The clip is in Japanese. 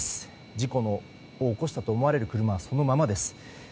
事故を起こしたと思われる車はそのままです。